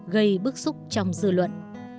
gây bức xúc trong dư luận